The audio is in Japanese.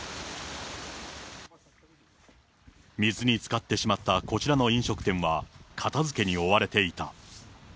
水に浸かってしまったこちらの飲食店は、片づけに追われていた。